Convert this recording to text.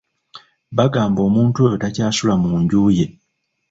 Bagamba omuntu oyo takyasula mu nju ye.